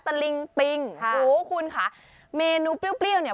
ตะลิงปิงโอ้คุณคะเมนูเปรี้ยวเนี่ย